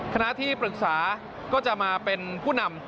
คณะที่ปรึกษาก็จะมาเป็นผู้นำ